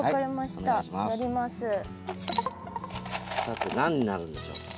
さて何になるんでしょうか？